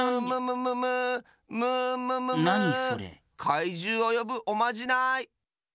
かいじゅうをよぶおまじない！